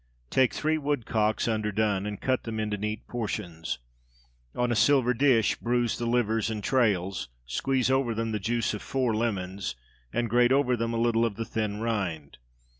Take three woodcocks, underdone, and cut them into neat portions. On a silver dish bruise the livers and trails, squeeze over them the juice of four (?) lemons, and grate over them a little of the thin rind.